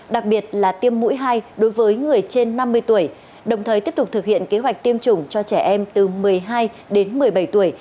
đặc biệt là tiêm mũi hai đối với người trên năm mươi tuổi đồng thời tiếp tục thực hiện kế hoạch tiêm chủng cho trẻ em từ một mươi hai đến một mươi bảy tuổi